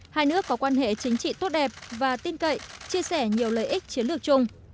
hai nước có quan hệ chính trị tốt đẹp và tin cậy chia sẻ nhiều lợi ích chiến lược chung